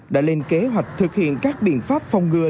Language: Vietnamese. đã lên kế hoạch thực hiện các biện pháp phòng ngừa